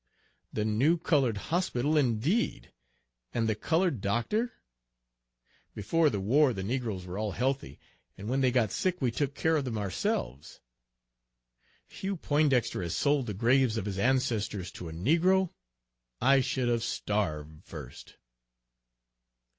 "The new colored hospital, indeed, and the colored doctor! Before the war the negroes were all healthy, and when they got sick we took care of them ourselves! Hugh Poindexter has sold the graves of his ancestors to a negro, I should have starved first!"